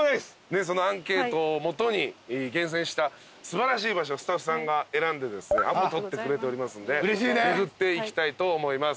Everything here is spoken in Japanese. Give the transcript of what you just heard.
そのアンケートを基に厳選した素晴らしい場所スタッフさんが選んでですねアポ取ってくれておりますんで巡っていきたいと思います。